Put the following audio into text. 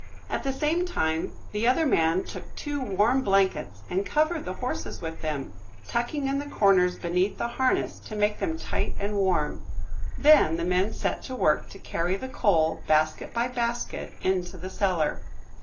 At the same time the other man took two warm blankets and covered the horses with them, tucking in the corners beneath the harness to make them tight and warm. Then the men set to work to carry the coal, basket by basket, into the cellar.